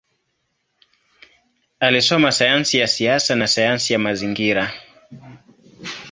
Alisoma sayansi ya siasa na sayansi ya mazingira.